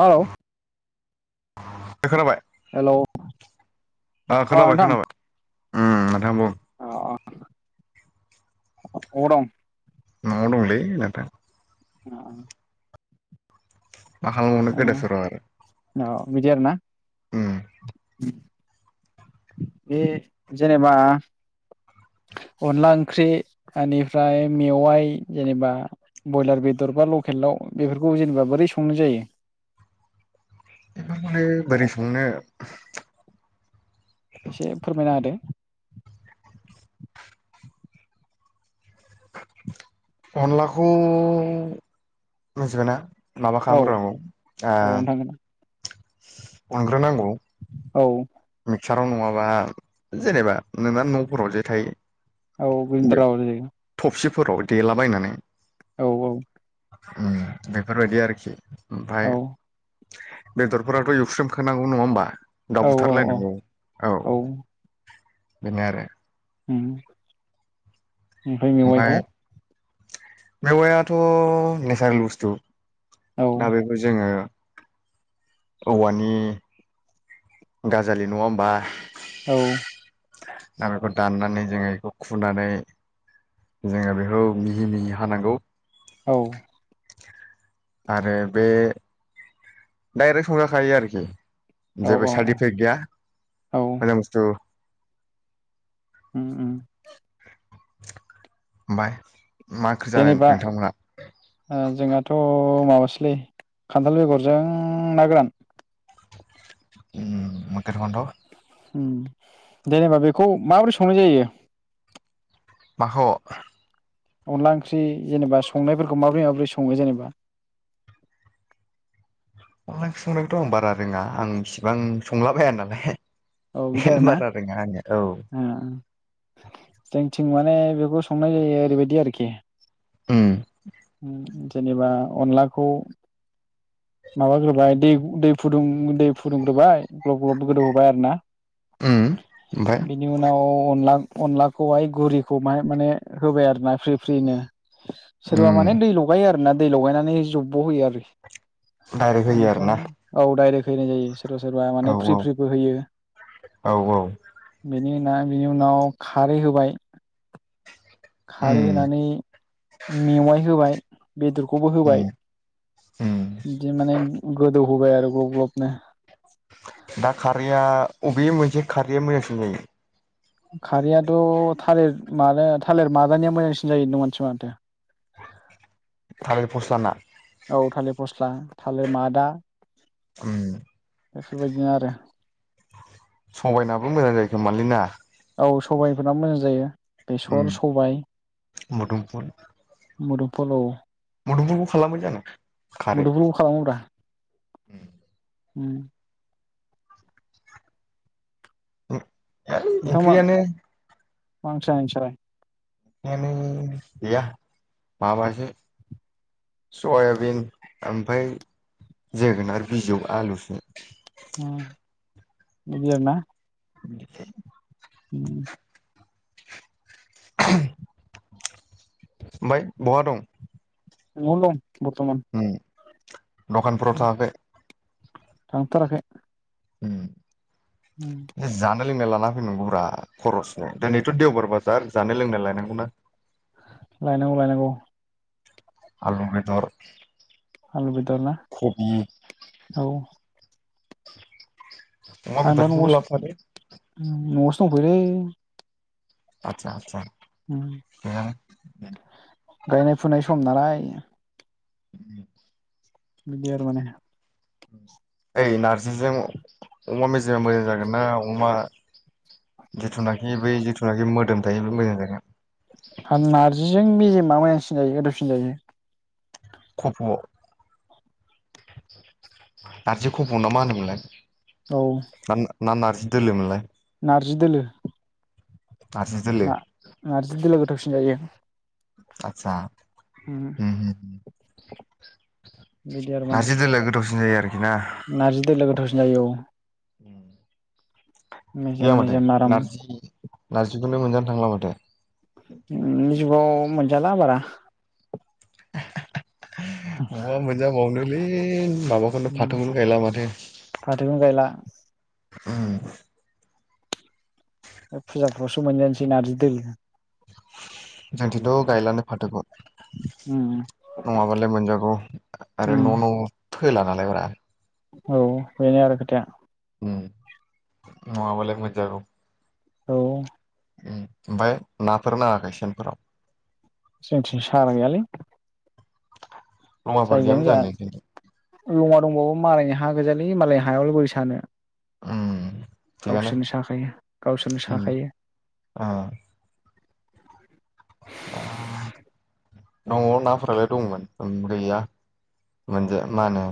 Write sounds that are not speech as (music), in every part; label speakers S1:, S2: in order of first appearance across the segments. S1: Hello
S2: खोनाबाय,
S1: hello अ
S2: खोनाबाय
S1: नोंथां
S2: खोनाबाय उम नोंथां बुं।
S1: अ अबाव दं?
S2: न'आव दंलै नोंथां।
S1: अ
S2: मा खालामबावनो गोदाव सोराव आरो
S1: अ बिदि आरो ना
S2: उम
S1: बे जेनेबा अनला ओंख्रि बेनिफ्राय मेवाइ जेनेबा बयलार बेदर बा लकेल दाव बेफोरखौ जेनेबा बोरै संनो जायो
S2: बेफोर माने बोरै संनो
S1: एसे फोरमायना होदो
S2: अनलाखौ मिजबायना माबा
S1: औ
S2: खालामग्रोनांगौ।
S1: औ नोंथां
S2: अनग्रोनांगौ।
S1: औ।
S2: मिक्साराव नङाबा जेनेबा नोंना न'फोराव जेथायाइ
S1: औ गुन्दा (unintelligible)
S2: थबसिफोराव देलाबायनानै
S1: औ औ
S2: ओम बेफोरबायदि आरोखि
S1: औ
S2: ओमफ्राय बेदरफोराथ' इउस्रेम खानांगौ नङा होमबा?
S1: औ
S2: दाउ
S1: औ औ
S2: बुथारलायनांगौ औ बेनो आरो
S1: (unintelligible) मेवाइखौ
S2: ओमफ्राय मेवयाथ' नेचारेल बुस्थु
S1: औ
S2: दा बेखौ जोङो औवानि गाजालि नङा होमबा।
S1: औ।
S2: आरो बेखौ दाननानै जोङो बेखौ खुनानै जोङो बेखौ मिहि मिहि हानांगौ।
S1: औ
S2: आरो बे डाइरेक्ट संजाखायो आरोखि
S1: औ
S2: जेबो साइड
S1: औ
S2: इफेक्ट गैया
S1: औ
S2: माने बुस्थु
S1: उम
S2: ओमफाय मा ओंखि जानाय
S1: जेनेबा
S2: नोंथांमोनहा
S1: जोंहाथ' माबासलै खान्थाल बेगरजों ना गोरान
S2: मकेल खन्द' (unintelligible)
S1: जेनेबा बेखौ माबोरै संनाय जायो
S2: माखौ
S1: अनदला ओंख्रि जेनेबा संनायफोरखौ माबोरै माबोरै सङो जेनेबा
S2: अनला ओंख्रिंनायखौथ' आं बारा रोङा आं इसिबां संला बाया नालाय
S1: औ बिदि आरोना
S2: बारा रोंआ आंडो औ।
S1: (inaudible) जों थिं माने बेखौ संनाय जायो ओरैबायदि आरोखि।
S2: उम
S1: जेनेबा अनलाखौ माबाग्रोबाय दै दै फुदुं दै फुदुंग्रोबाय। ग्लब ग्लब गोदौहोबाय आरो ना।
S2: उम ओमफ्राय
S1: बेनि उनाव अनला अनलाखौहाय गघुरिखौ माहाय माने होबाय आरो ना फ्रि फ्रिनो।
S2: उम
S1: सोरबा माने दै लगायो आरोना दै लगायनानै जब्ब' होयो आरो।
S2: डाइरेक्ट होयो आरोना
S1: निफ्राय औ दडाइरेक्ट होननाय जायो। सोरबा सोरबा
S2: औ
S1: माने फ्रि
S2: औ
S1: फ्रिबो होयो
S2: औ औ
S1: बेनि उ बिनि उनाव खारै होबाय खारै
S2: उम
S1: होनानै मेवाइ होबाय बेदरखौबो
S2: उम
S1: होबाय
S2: उम
S1: बिदि माने गोदौ होबाय आरो ग्लब ग्लबनो
S2: दा खारैया अबे मोनसे खारैया मोजांसिन जायो
S1: खारैयाथ' थालिर मानो थालिर माजानाया मोजांसिन जायो होनदों मानसिफोरा माथो
S2: थारायलि फसला ना
S1: औ थालिर फस्ला थालिर मादा
S2: ओम
S1: बेफोरबायदिनो आरो
S2: सबायनाबो मोजां जायोखोमोमालै ना।
S1: औ सबायाइफोरा मोजां जायो
S2: उम
S1: बेसर सबाय
S2: मुदुमफुल
S1: मुदुमफुलाव
S2: मुदुमफुखौ खालामबाय जानो खारै
S1: मोदोमफुलखौ खालामोब्रा होम।
S2: ओइ
S1: नोंथांमोना
S2: ओंख्रियानो
S1: मांसिनो नोंसोरलाय?
S2: बेनो गैया माबासो सयाबिन, ओमफ्राय जोगोनार बिजौ, आलु सो।
S1: होम बिदिनो मा
S2: (unintelligible)
S1: उ
S2: ओमफाय बहा दं?
S1: न' आवनो दं बर्थमान
S2: ओम। दखानफोराव थाङाखै?
S1: थांथाराखै।
S2: उम।
S1: होम।
S2: जानाय लोंनाय लाना फैनांगौ बा खरसनो। दिनैथ' देवबार बाजार जानाय लोंनाय लायनांगौना।
S1: लायनांगौ लायनांगौ।
S2: आलु बेदर।
S1: आलु बेदर ना?
S2: कबि
S1: औ।
S2: अमा
S1: आं दा
S2: बेदरखौबो
S1: न'आवसो
S2: लाबोफादो
S1: न'आवसो दंफैओलै।
S2: आतसा आतसा।
S1: होम
S2: थिगानो
S1: गायनाय फुनाय सम नालाय।
S2: (unintelligible)
S1: बिदि आरो माने।
S2: ओइ नारजिजों अमा मेजेमा मोजां जागोन ना? अमा जिथुनाखि बै जिथुनाखि मोदोम थायो बे मोजां जागोन।
S1: आरो नारजिजों मेजेमा मोजां सिनजायो गोथावसिन जायो।
S2: खफ' नारजि खफ'आव ना मा होनोमोनलाय?
S1: औ।
S2: हा ना नारसजि दोलोमोनलाय।
S1: नारजि दोलो।
S2: नारजि दोलो
S1: नारजि दोलोआ गोथावसिन जायो।
S2: आतसा म
S1: बिदि
S2: नारजि दोलो गोथावसिन जायो आरोखि ना।
S1: नारजि दोलो लोगोथावसिनो जायो औ। मेजेम
S2: गैया माथो
S1: मेजेम आराम
S2: नारजि नारजिखौनो मोनजानो थांला माथो।
S1: दानि जुगाव मोनजाला बारा।
S2: बबाव मोनजाबावनोलै माबाखौनो फाथोखौनो गायला माथो।
S1: फाथोखौनो गायला।
S2: होम।
S1: बे फुजाफ्रावसो मोनजानोसै नारजि दोलो।
S2: जोंनिथिथ' गायलानो फाथोखौ। नङाबालाय मोनजागौ आरो न' न' फोला नालाय ब्रा।
S1: औ बेनो आरो खोथाया।
S2: ओम नङाबालाय मोनजागौमोन।
S1: औ।
S2: ओमफ्राय नाफोर नाङाखै सेेनफोराव?
S1: जोंनिथिं साग्रा गैयालै।
S2: लङाफोर गैयामोन
S1: जायगायानो जाया।
S2: जानो नोंसिनिथिं
S1: लङा दंबावो मालायनि हा गोजालि। मालायनि हायावलाय बोरै सानो।
S2: ओम।
S1: गावसोरनो साखायो गावसोरनो
S2: उम
S1: साखायो।
S2: ओ। ओ। न'आव नाफोरालाय दंमोन गैया मोनजा मा होनो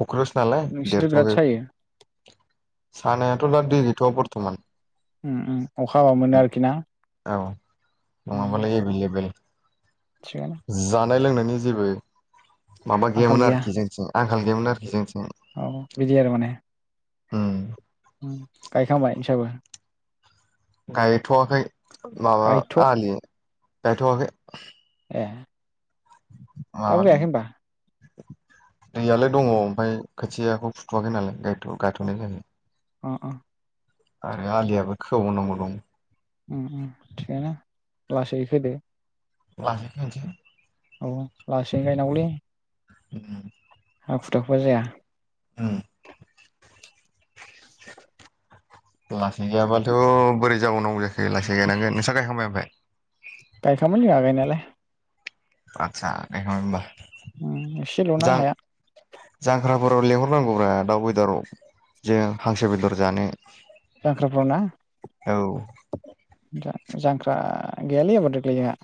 S2: पुक्रियावसो नालाय
S1: नोंसिनिथ' बिराद
S2: देरथ'खै
S1: सायो
S2: सानायाथ' दा दै गैथ'वा बरथ'मान
S1: उम उम अखा हाबा मोनो आरोखि ना?
S2: औ
S1: उम
S2: नङाबालाय एभेलेबेल
S1: थिगानो।
S2: जानाय लोंनायनि जेबो माबा
S1: आंखाल
S2: गैयामोन
S1: गैया
S2: आरोखि जोंथिं आंखाल गैयामोन आरोखि जोंथिं।
S1: औ बिदि
S2: होम।
S1: गाइखांबाइ नोंसाबो?
S2: गायथ'वाखै, माबा
S1: गायथ'
S2: आलि गायथ'वाखै।
S1: ए-
S2: मावव
S1: दाबो
S2: (inaudible) लि
S1: गायाखै होनबा
S2: दैयालाय दङ ओमफ्राय खोथियाखौ फुथ'वाखै नालाय गायथ'- गायथ'नाय जायाखै।
S1: उम उम
S2: आरो आलियाबो खोबावनांगौ दं।
S1: उम उम थिख आनो लासै होदो।
S2: (unintelligible)
S1: औ लासैनो गायनांगौलै।
S2: उम
S1: हाखु दाखुबा जाया
S2: उम
S1: (inaudible)
S2: लासै गैयाबाथ' बोरै जाबावनांगौ जाखो लासै गायनांगोन नोंस्रा गायखांबाय ओमफाय?
S1: गायखांबाय जोंहा गायनायालाय।
S2: आतसा गायखांबाय होमबा।
S1: उम एसेल'ना हाया।
S2: जांख्राफोराव लेंहरनांगौब्रा दाउ बेदराव जों हांसो बेदर जानो।
S1: जांख्राफ्राव ना?
S2: औ
S1: जां- जांख्रा गैयालै एबार देग्लाय जोंहा।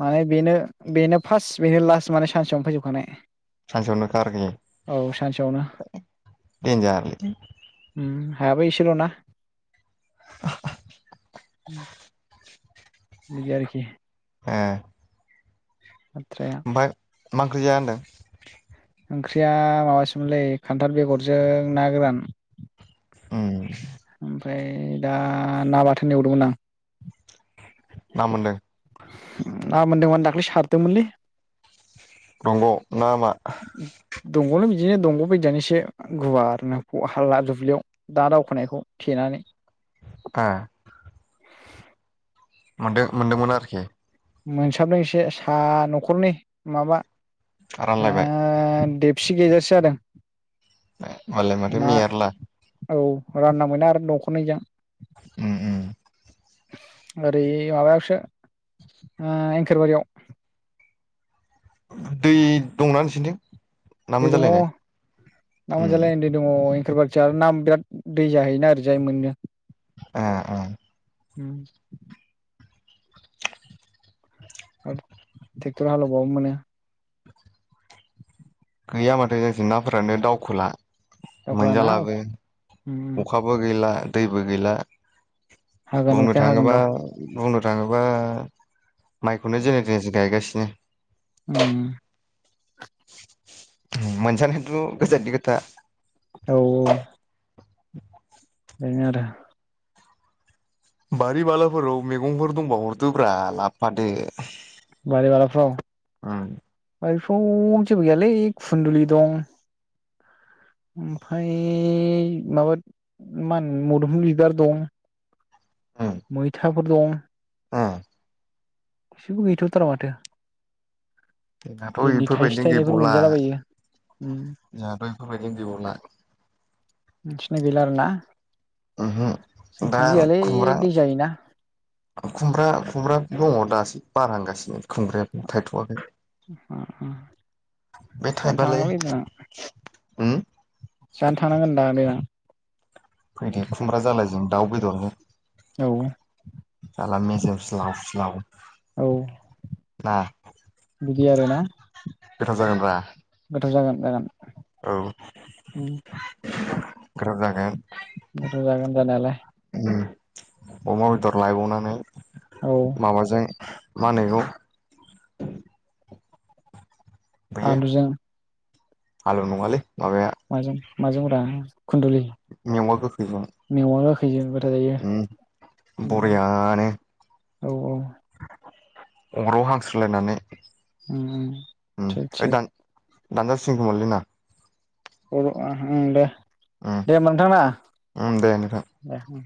S1: माने बेनो बेनो फार्स्ट बेनो लास्ट माने सानसेयावनो फैजोबखानाय।
S2: सानसेयावनो खारखि
S1: औ सानसेयावनो।
S2: देनजारलै
S1: उम हायाबो इसेल' ना।
S2: (inaudible)
S1: बिदि आरोखि।
S2: ए
S1: बाथ्राया
S2: ओमफ्राय मा ओंख्रि जाया होनदों?
S1: ओंख्रिया माबासोमोनलै खान्थाल बेगरजों ना गोरान
S2: उम
S1: ओमफ्राय दा ना बाथोन एवदोंमोन आं।
S2: ना मोनदों?
S1: ना मोनदोंमोन दाख्लै सारदोंमोनलै।
S2: दंग ना मा?
S1: दंग'नो बिदिनो दंग' बायदिनानै एसे गुवार नो हालला दुब्लियाव। दा दावखोनायखौ थेनानै
S2: ए मोनदो- मोनदोंमोन आरोखि।
S1: मोनसाबदों एसे सा न'खरनि माबा ओ
S2: रानलायबाय
S1: ओ देबसि गेजेरसि जादों।
S2: मले माथ
S1: ना
S2: मेयारला
S1: औ रानना मोना आरो न'खरनै जा
S2: उम उम।
S1: ओरै माबायावसो एंखोरबारियाव
S2: दै दंना नोंसिनिथिं (unintelligible)
S1: दै दङ
S2: मोनजालायनाय
S1: ना
S2: उम
S1: मोनजालाय दै। ओ दङ एंबारथिया ना बिराद दै जाहैयोना आरो जाय मोननो
S2: ओ ओ
S1: उम आरो ट्रेक्टर हालेवबाबो मोनो।
S2: गैया माथो ओजों नाफोरानो दावखोला
S1: दावखोलाना
S2: मोनजालाबो अखा बो गैला दैबो गैला
S1: हागोन
S2: बुंनो
S1: अखाया हागोन
S2: थाङोबा
S1: र'
S2: बुंनो थाङोबा माइखौनो जेने थेनेसो गायगासिनो।
S1: उम।
S2: मोनसानोथ' गोजाननि खोथा।
S1: औ बेनो आरो।
S2: बारि बालाफोराव मैगंफोर दंबा हरदोब्रा लाबोफादो।
S1: बारि बालाफ्राव
S2: ओं।
S1: बारिफ्राव जेबो गैयालै खुुनन्दुलि दं। ओमफाय माबा मा होनो मुदुफुल बिबार दं।
S2: उम
S1: मैथाफोर दं।
S2: आ।
S1: एसेबो गैथ'थारा माथो।
S2: जोंनाथ'
S1: भेन्दि थाइसे
S2: इफोरबायदिनो
S1: थायनैफोर
S2: गैबावला
S1: मोनजालाबायो।
S2: जोंहाथ' इफोरबायदिनो गैबावला
S1: मिथिनाय गैला आरोना
S2: ओहो दा
S1: जोंथिंबो गैयालै
S2: खुमब्रा
S1: दै जायोना।
S2: खुमब्रा खुमब्रा दङ दासो बारहांगासिनो। खुमब्राया थायथ'वाखै बे
S1: जानो
S2: थाइबालाय
S1: थांनांगोनलै देनां जानो थांनांगोन होनदां देनां।
S2: फैदो खुमब्रा जालाय जों दाउ बेदर
S1: औ।
S2: जाला मेजे स्लाव स्लाव।
S1: औ
S2: ना
S1: बिदि आरोना?
S2: गोथाव जागोनब्रा।
S1: गोथाव जागोन जागोन।
S2: औ गोब्राब जागोन।
S1: गोथाव जागोन जानायालाय।
S2: अमा बेदर लायबावनानै।
S1: औ
S2: माबाजों मा होनो बेखौ? बैयो
S1: आलुजों
S2: (inaudible) हालेव नङालै माबाया
S1: माजों माजों र खुन्दुलि
S2: मेवा गोखैजों।
S1: मेवा गाखैजों गोथाव जायो
S2: उम बरियानो
S1: औ औ।
S2: अराव हांस्रोलायनानै
S1: औ थिग
S2: ओ
S1: थिग
S2: दान दानजासिगोन खोमालै ना?
S1: दे
S2: उम
S1: दे नोंथां ना
S2: उम दे नोंथां
S1: दे अम।